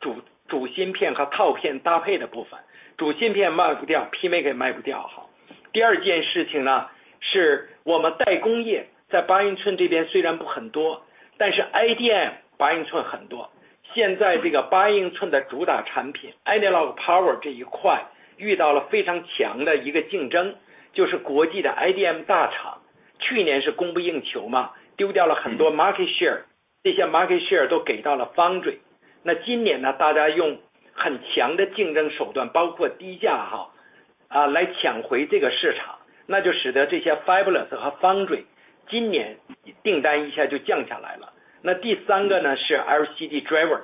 主， 主芯片和套片搭配的部 分， 主芯片卖不 掉， PMIC 也卖不掉哈。第二件事情 呢， 是我们代工 业， 在八英寸这边虽然不很 多， 但是 IDM 八英寸很 多， 现在这个八英寸的主打产品 analog power 这一块，遇到了非常强的一个竞 争， 就是国际的 IDM 大 厂， 去年是供不应求 嘛， 丢掉了很多 market share， 这些 market share 都给到了 foundry。那今年 呢， 大家用很强的竞争手 段， 包括低价 哈， 啊， 来抢回这个市 场， 那就使得这些 fabless 和 foundry 今年订单一下就降下来了。那第三个 呢， 是 LCD driver，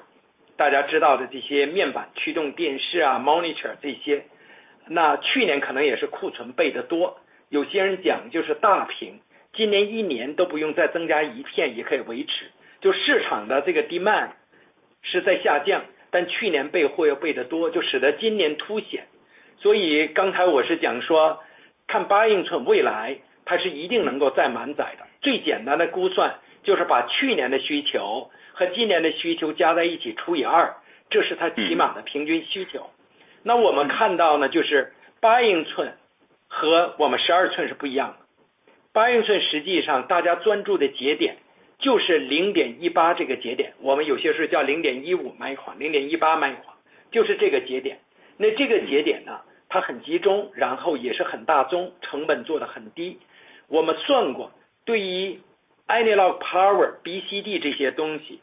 大家知道的这些面板驱 动， 电视啊 ，monitor 这些，那去年可能也是库存备得多。有些人讲就是大 屏， 今年一年都不用再增加一 片， 也可以维 持， 就市场的这个 demand 是在下 降， 但去年备货又备得 多， 就使得今年凸显。所以刚才我是讲说看八英寸未 来， 它是一定能够再满载的。最简单的估算就是把去年的需求和今年的需求加在一起除以 二， 这是它起码的平均需求。那我们看到 呢， 就是八英寸和我们十二英寸是不一样 的， 八英寸实际上大家专注的节点就是零点一八这个节 点， 我们有些时候叫零点一五微 华， 零点一八微 华， 就是这个节 点， 那这个节点 呢， 它很集 中， 然后也是很大 宗， 成本做得很低。我们算 过， 对于 analog power、BCD 这些东 西，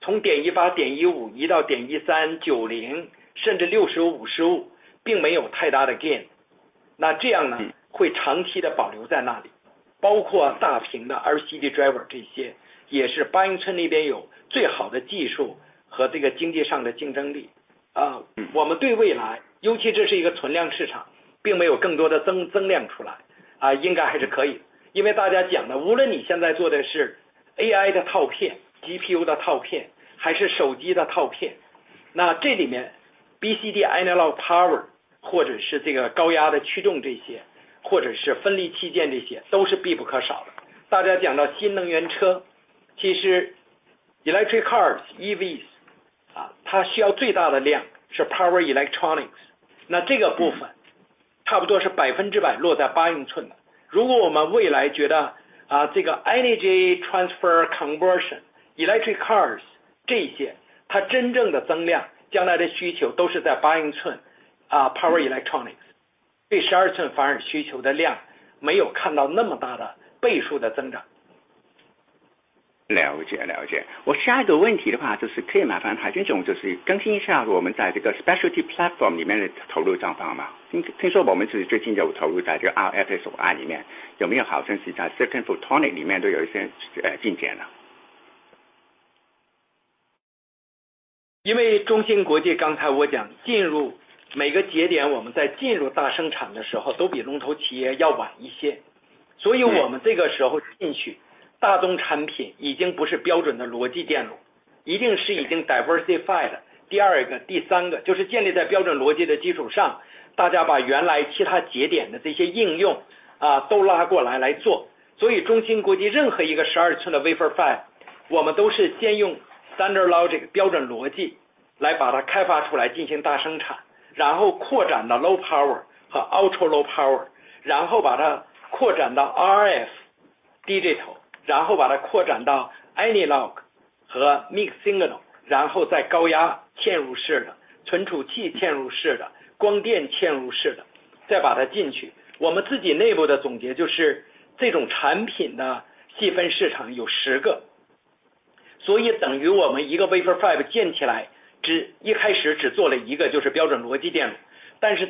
从点一八、点一五移到点一三、九 零， 甚至六十五、五十 五， 并没有太大的 gain， 那这样 呢， 会长期地保留在那 里， 包括大屏的 LCD driver 这 些， 也是八英寸那边有最好的技术和这个经济上的竞争力。呃， 我们对未 来， 尤其这是一个存量市 场， 并没有更多的 增， 增量出 来， 啊， 应该还是可以。因为大家讲 的， 无论你现在做的是 AI 的套片 ，GPU 的套 片， 还是手机的套 片， 那这里面 BCD analog power， 或者是这个高压的驱动这 些， 或者是分离器 件， 这些都是必不可少的。大家讲到新能源 车， 其实 electric cars，EVs， 啊， 它需要最大的量是 power electronics， 那这个部分差不多是百分之百落在八英寸的。如果我们未来觉 得， 啊， 这个 energy transfer conversion, electric cars 这 些， 它真正的增量，将来的需求都是在八英 寸， 啊 ，power electronics， 对十二吋反而需求的量没有看到那么大的倍数的增长。了 解， 了解。我下一个问题的 话， 就是可以麻烦海江 总， 就是更新一下我们在这个 specialty platform 里面的投入状况 吗？ 听， 听说我们自己最近有投入在这个 RF-SOI 里 面， 有没有好像是在 silicon photonics 里面都有一 些， 呃， 进展呢？因为中芯国 际， 刚才我讲进入每个节 点， 我们在进入大生产的时候都比龙头企业要晚一 些， 所以我们这个时候进 去， 大宗产品已经不是标准的逻辑电 路， 一定是已经 diversify 的。第二 个， 第三个就是建立在标准逻辑的基础 上， 大家把原来其他节点的这些应用 啊， 都拉过来来做。中芯国际任何一个12吋的 wafer fab， 我们都是先用 standard logic 标准逻辑来把它开发出 来， 进行大生 产， 然后扩展到 low power 和 ultra low power， 然后把它扩展到 RF digital， 然后把它扩展到 analog 和 mixed signal， 然后在高压嵌入式的、存储器嵌入式的、光电嵌入式 的。... 再把它进去。我们自己内部的总结就是这种产品的细分市场有10个，所以等于我们一个 wafer fab 建起 来， 只一开始只做了一 个， 就是标准逻辑电路。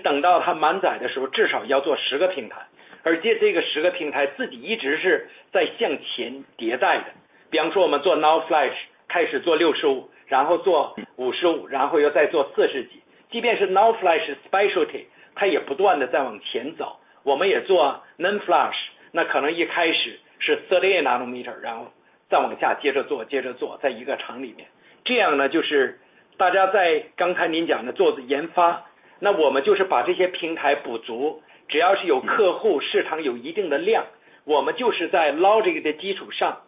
等到它满载的时 候， 至少要做10个平 台， 而这这个10个平台自己一直是在向前迭代的。比方说我们做 NAND flash 开始做 65， 然后做 55， 然后又再做四十几。即便是 NAND flash specialty， 它也不断地在往前走。我们也做 NAND flash。可能一开始是30 nanometer， 然后再往下接着 做， 接着 做， 在一个厂里面。就是大家在刚才您讲的做的研 发， 我们就是把这些平台补 足， 只要是有客 户， 市场有一定的 量， 我们就是在 logic 的基础 上，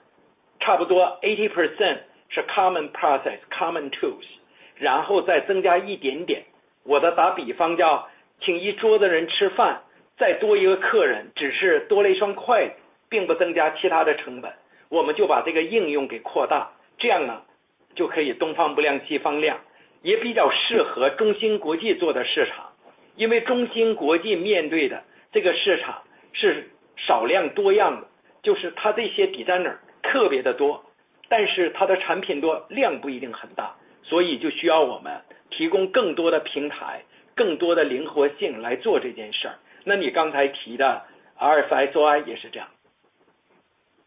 差不多 80% 是 common process， common tools， 然后再增加一点点。我的打比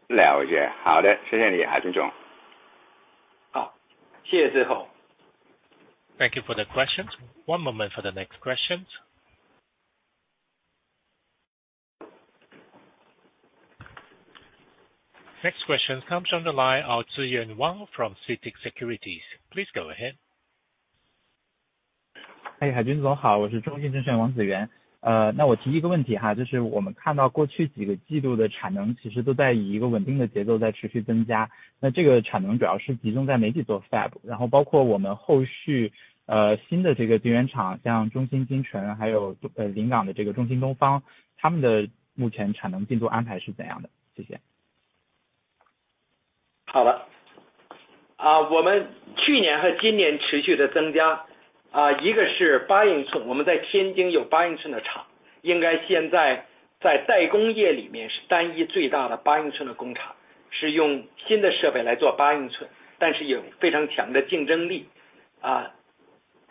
了 解， 好 的， 谢谢 你， 海林总。好, 谢谢 志宏. Thank you for the questions. One moment for the next questions. Next question comes on the line, 王子元 from CITIC Securities. Please go ahead. 哎， 海金总 好， 我是中信证券王子 元， 呃， 那我提一个问题 哈， 就是我们看到过去几个季度的产能其实都在以一个稳定的节奏在持续增 加， 那这个产能主要是集中在哪些做 fab， 然后包括我们后 续， 呃， 新的这个晶圆 厂， 像中芯京 城， 还有 呃， 临港的这个中芯东 方， 他们的目前产能进度安排是怎样 的？ 谢谢。好 了， 啊我们去年和今年持续的增加，啊一个是八英 寸， 我们在天津有八英寸的 厂， 应该现在在在工业里面是单一最大的八英寸的工 厂， 是用新的设备来做八英 寸， 但是也有非常强的竞争力。啊，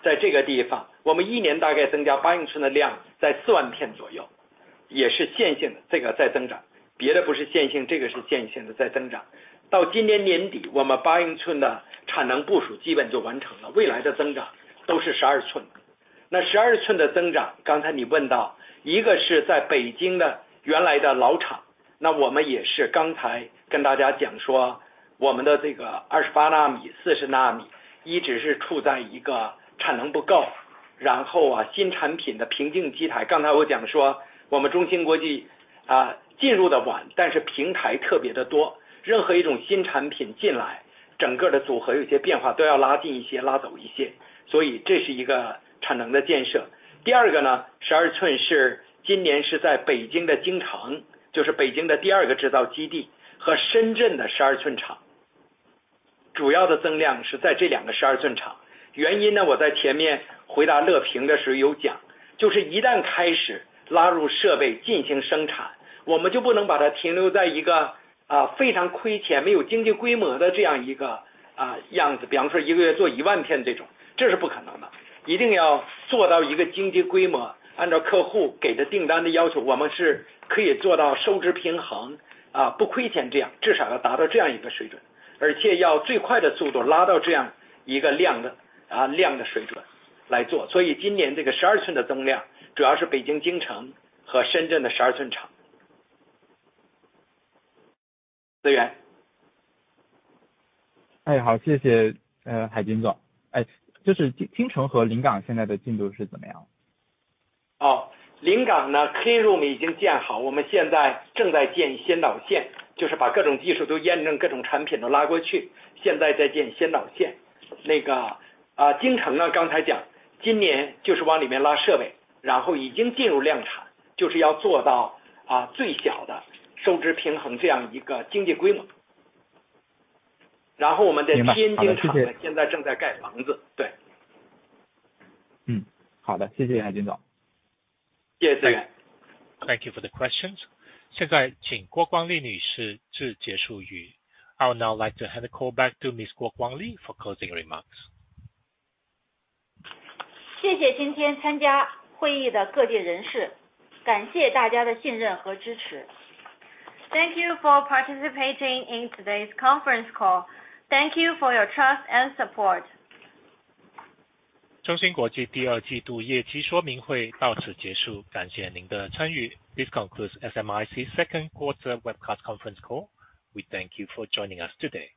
在这个地 方， 我们一年大概增加八英寸的量在四万片左 右， 也是线性 的， 这个在增 长， 别的不是线 性， 这个是线性的在增长。到今年年 底， 我们八英寸的产能部署基本就完成 了， 未来的增长都是十二英寸。那十二英寸的增 长， 刚才你问 到， 一个是在北京的原来的老 厂， 那我们也是刚才跟大家讲 说， 我们的这个二十八纳 米， 四十纳米一直是处在一个产能不 够， 然后啊新产品的瓶颈期 台， 刚才我讲说我们中芯国际啊进入的 晚， 但是平台特别的 多， 任何一种新产品进 来， 整个的组合有些变化都要拉进一 些， 拉走一些，所以这是一个产能的建设。第二个 呢， 十二英寸是今年是在北京的京 城， 就是北京的第二个制造基地和深圳的十二寸 厂， 主要的增量是在这两个十二寸厂。原因 呢， 我在前面回答乐平的时候有 讲， 就是一旦开始拉入设备进行生 产， 我们就不能把它停留在一个 啊， 非常亏 钱， 没有经济规模的这样一个啊样 子， 比方说一个月做一万片这种，这是不可能 的， 一定要做到一个经济规 模， 按照客户给的订单的要 求， 我们是可以做到收支平 衡， 啊， 不亏钱这 样， 至少要达到这样一个水 准， 而且要最快的速度拉到这样一个量的啊量的水准来做。所以今年这个十二寸的增量主要是北京京城和深圳的十二寸厂。子元。哎， 好， 谢谢 呃， 海金总。哎， 就是京城和临港现在的进度是怎么 样？ 哦， 临港 呢， clean room 已经建 好， 我们现在正在建先导 线， 就是把各种技术都验 证， 各种产品都拉过 去， 现在在建先导线。那个 啊， 京城 呢， 刚才讲今年就是往里面拉设 备， 然后已经进入量 产， 就是要做到 啊， 最小的收支平 衡， 这样一个经济规模。然后我们在天津-明 白， 好 的， 谢谢。现在正在盖 房子， 对。嗯， 好 的， 谢谢海总。谢谢 子元. Thank you for the questions. 现在请郭光丽女士致结束 语. I now like to have call back to Miss Guo Guangli for closing remarks. 谢谢今天参加会议的各地人 士， 感谢大家的信任和支持。Thank you for participating in today's conference call. Thank you for your trust and support. 中芯国际第二季度业绩说明会到此结束，感谢您的参与。This concludes SMIC second quarter webcast conference call. We thank you for joining us today.